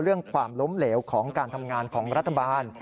ความล้มเหลวของการทำงานของรัฐบาล